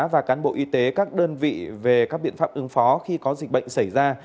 và cán bộ y tế các đơn vị về các biện pháp ứng phó khi có dịch bệnh xảy ra